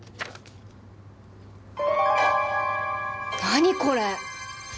何これ？